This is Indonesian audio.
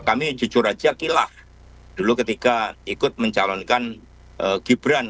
kami jujur aja kilah dulu ketika ikut mencalonkan gibran